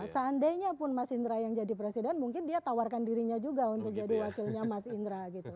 seandainya pun mas indra yang jadi presiden mungkin dia tawarkan dirinya juga untuk jadi wakilnya mas indra gitu